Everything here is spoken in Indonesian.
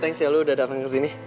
thanks ya lo udah dateng ke sini